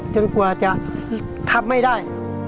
จนก่อจะทำไม่ได้